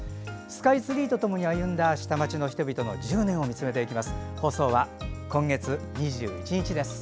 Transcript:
スカイツリーとともに歩んだ下町の人々の１０年を見つめていきます。